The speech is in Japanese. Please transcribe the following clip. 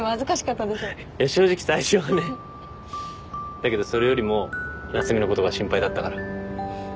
だけどそれよりも夏海のことが心配だったから。